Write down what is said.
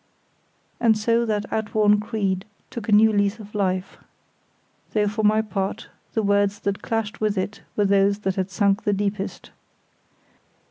And so that outworn creed took a new lease of life; though for my part the words that clashed with it were those that had sunk the deepest.